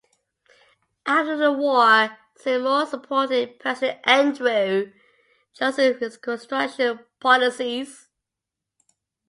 After the war, Seymour supported President Andrew Johnson's Reconstruction policies.